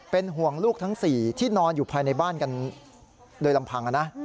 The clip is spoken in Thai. เป็นห่วงลูกทั้ง๔ที่นอนอยู่ภายในบ้านกันโดยลำพังนะ